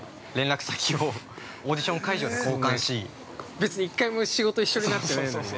◆別に一回も仕事、一緒になってないのにね。